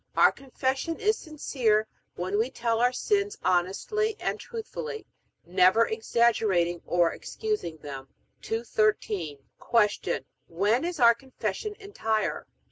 Our Confession is sincere, when we tell our sins honestly and truthfully, neither exaggerating nor excusing them. 213. Q. When is our Confession entire?